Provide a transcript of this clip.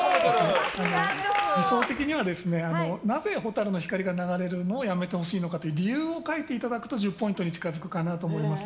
理想的にはなぜ「蛍の光」が流れるのをやめてほしいのかという理由を書いていただくと１０ポイントに近づくかなと思います。